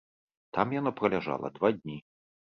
Там яно праляжала два дні.